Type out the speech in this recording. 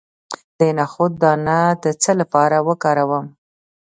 د نخود دانه د څه لپاره وکاروم؟